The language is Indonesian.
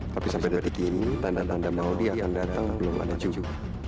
tapi sampai detik ini tanda tanda maudie akan datang belum ada juga